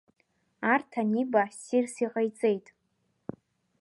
Арҭ аниба, ссирс иҟаиҵеит.